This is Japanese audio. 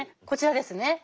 こちらですね